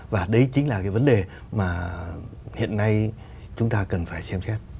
và đấy chính là cái vấn đề mà hiện nay chúng ta cần phải xem xét